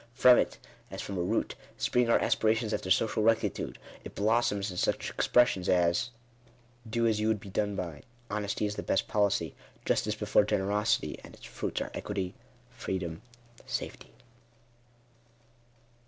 From it, as from a root, spring our aspirations after social rectitude : it blossoms in such expressions as — "Do as you would be done by," u Honesty is the best policy," " Justice before Generosity ;" and its fruits are Equity, Freedom, Safety.